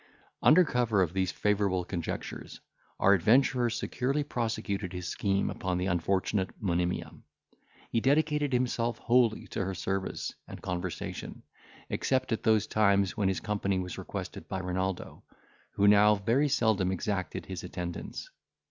Under cover of these favourable conjectures, our adventurer securely prosecuted his scheme upon the unfortunate Monimia. He dedicated himself wholly to her service and conversation, except at those times when his company was requested by Renaldo, who now very seldom exacted his attendance.